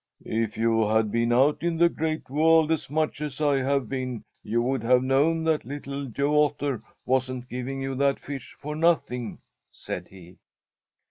"If you had been out in the Great World as much as I have been, you would have known that Little Joe Otter wasn't giving you that fish for nothing," said he.